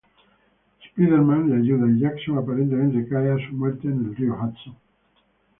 Spider-Man le ayuda y Jackson aparentemente cae a su muerte en el río Hudson.